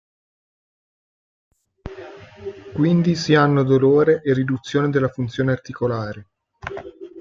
Quindi si hanno dolore e riduzione della funzione articolare.